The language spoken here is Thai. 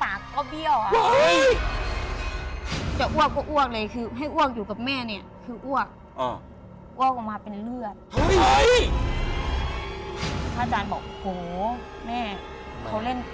ว่าเธอควรจะทำทำว่าเธออยากได้มั้ย